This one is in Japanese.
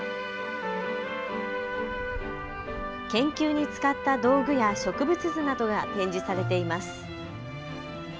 研究に使った道具や植物図などが展示されています。